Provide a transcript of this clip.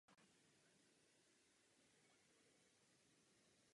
Kostel popisuje i Victor Hugo ve svém románu "Chrám Matky Boží v Paříži".